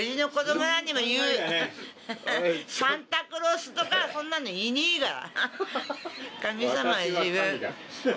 サンタクロースとかそんなのいねえから。